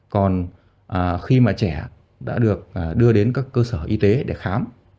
còn khi mà trẻ đã được đưa đến các cơ sở y tế để khám